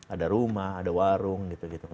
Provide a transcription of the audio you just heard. ada rumah ada warung gitu gitu